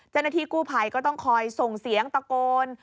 เจ้าหน้าที่กู้ภัยก็ต้องคอยส่งเสียงตะโกน